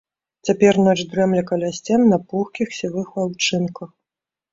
Цяпер ноч дрэмле каля сцен на пухкіх сівых аўчынках.